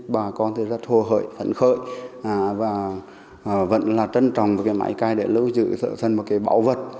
bà con thì rất hô hợi phấn khợi và vẫn là trân trọng với cái máy cày để lưu trữ sở sân một cái bảo vật